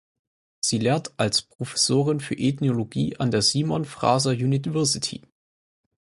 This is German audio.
Sie lehrt als Professorin für Ethnologie an der Simon Fraser University.